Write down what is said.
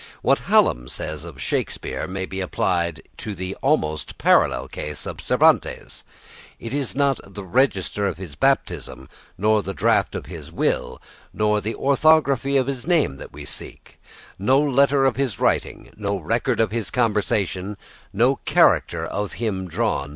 What Hallam says of Shakespeare may be applied to the almost parallel case of Cervantes: "It is not the register of his baptism, or the draft of his will, or the orthography of his name that we seek; no letter of his writing, no record of his conversation, no character of him drawn